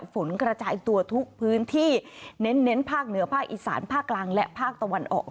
ฝนกระจายตัวทุกพื้นที่เน้นภาคเหนือภาคอีสานภาคกลางและภาคตะวันออก